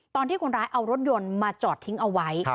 ตอนที่คนร้ายเอารถยนต์มาจอดทิ้งเอาไว้